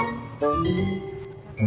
gak ada apa apa